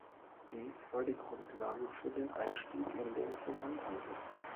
Dies war die Grundlage für den Einstieg in den Versandhandel.